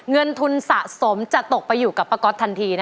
เวชทำแตกโฌมจะตกไปอยู่กับปั๊กก๊อตทันทีนะครับ